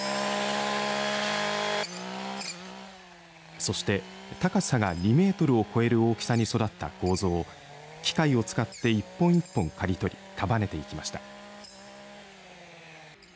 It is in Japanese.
そして高さが２メートルを超える大きさに育った、こうぞを機械を使って一本一本刈り取り束ねていきました。